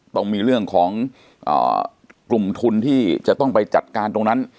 ต้องมีเรื่องของกลุ่มทุนที่จะต้องไปจัดการตรงนั้น